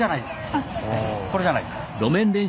ええこれじゃないです。